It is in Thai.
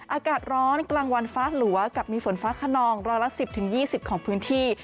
อากาศร้อนกลางวันฟ้าหลัวกับมีฝนฟ้าขนองร้อยละ๑๐๒๐ของพื้นที่